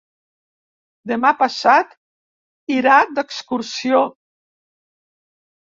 Demà passat irà d'excursió.